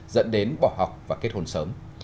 dẫn đến bỏ học và kết hôn sớm